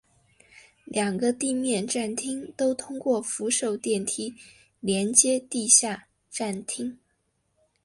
两个地面站厅都通过扶手电梯连接地下站厅。